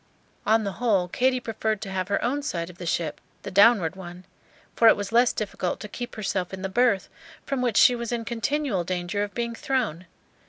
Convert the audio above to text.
On the whole, Katy preferred to have her own side of the ship, the downward one; for it was less difficult to keep herself in the berth, from which she was in continual danger of being thrown.